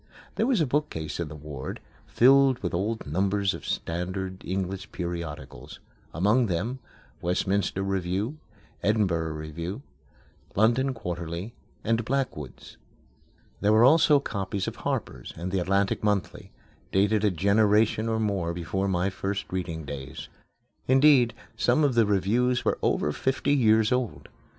There was a bookcase in the ward, filled with old numbers of standard English periodicals; among them: Westminster Review, Edinburgh Review, London Quarterly, and Blackwood's. There were also copies of Harper's and The Atlantic Monthly, dated a generation or more before my first reading days. Indeed, some of the reviews were over fifty years old.